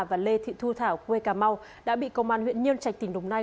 và lê thị thu thảo quê cà mau đã bị công an huyện nhân trạch tỉnh đồng nai